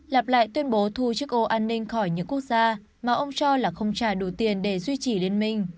lặp lại tuyên bố thu chiếc ô an ninh khỏi những quốc gia mà ông cho là không trả đủ tiền để duy trì liên minh